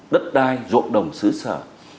đất đai rộn đồng xứ sở